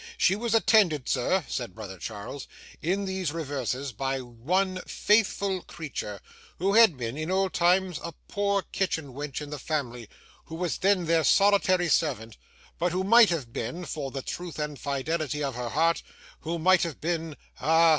She was attended, sir,' said brother Charles, 'in these reverses, by one faithful creature, who had been, in old times, a poor kitchen wench in the family, who was then their solitary servant, but who might have been, for the truth and fidelity of her heart who might have been ah!